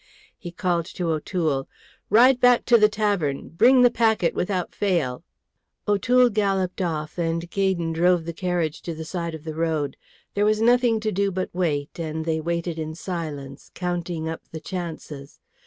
He called to O'Toole, "Ride back to the tavern! Bring the packet without fail!" O'Toole galloped off, and Gaydon drove the carriage to the side of the road. There was nothing to do but to wait, and they waited in silence, counting up the chances.